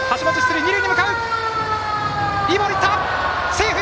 セーフ！